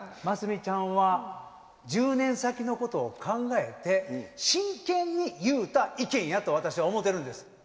ますみちゃんは１０年先のことを考えて真剣に言うた意見やと私は思うてるんです。